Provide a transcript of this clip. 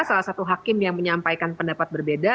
salah satu hakim yang menyampaikan pendapat berbeda